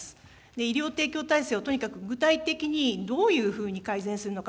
医療提供体制をとにかく、具体的にどういうふうに改善するのか。